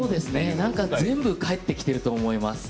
かえってきていると思います。